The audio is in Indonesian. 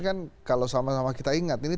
kan kalau sama sama kita ingat ini